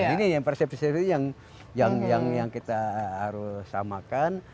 ini persepsi persesipi yang kita harus samakan